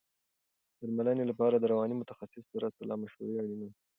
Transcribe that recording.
د درملنې لپاره د رواني متخصص سره سلا مشوره اړینه ده.